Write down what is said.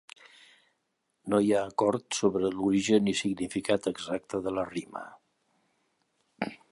No hi ha acord sobre l'origen i el significat exacte de la rima.